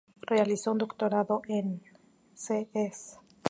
Realizó un Doctorado en Cs.